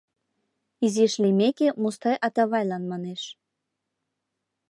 Изиш лиймеке, Мустай Атавайлан манеш: